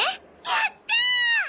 やったあ！